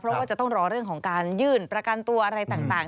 เพราะว่าจะต้องรอเรื่องของการยื่นประกันตัวอะไรต่าง